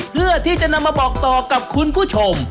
เพื่อที่จะนำมาบอกต่อกับคุณผู้ชม